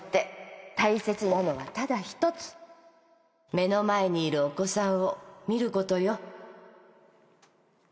目の前にいるお子さんを見ることよ